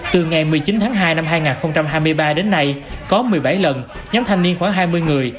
từ ngày một mươi chín tháng hai năm hai nghìn hai mươi ba đến nay có một mươi bảy lần nhóm thanh niên khoảng hai mươi người